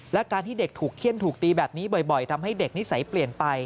และการที่เด็กถูกเขี้ยนถูกตีแบบนี้บ่อยทำให้เด็กนิสัยเปลี่ยนไป